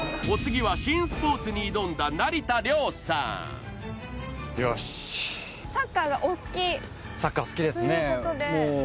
お次は新スポーツに挑んだ成田凌さんよしサッカー好きですね